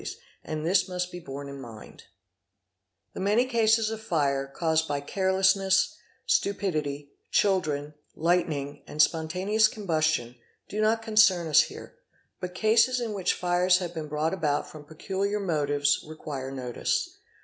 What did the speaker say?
See p, 207. QUASI SPONTANEOUS COMBUSTION 853 The many cases of fire caused by carelessness, stupidity, children, lightning, and spontaneous combustion, do not concern us here; but cases in which fires have been brought about from peculiar motives require notice.